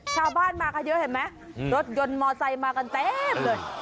ชาวบ้านมาค่ะเยอะเห็นมั้ยรถยนต์มอเตอร์ไซค์มากันเต็มเลย